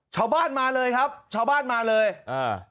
ชาวบ้านมาเลยครับชาวบ้านมาเลยอ่า